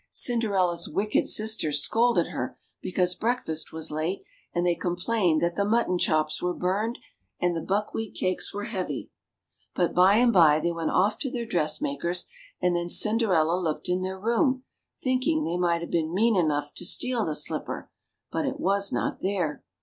Cinderella's wicked sisters scolded her because breakfast was late, and they complained that the mutton chops were burned and the buckwheat cakes were heavy. But, by and by, they went off to their dressmaker's, and then Cinderella looked in their room, thinking they might have been mean enough to steal the slipper ; but it was not there.